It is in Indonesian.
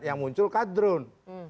yang muncul kadrun